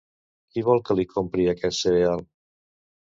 Qui vol que li compri aquest cereal?